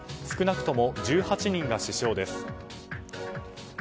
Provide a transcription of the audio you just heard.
少なくとも１人が死傷です。